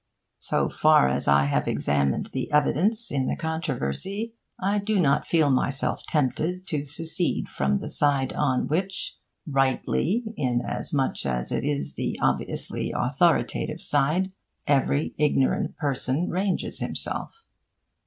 So far as I have examined the evidence in the controversy, I do not feel myself tempted to secede from the side on which (rightly, inasmuch as it is the obviously authoritative side) every ignorant person ranges himself.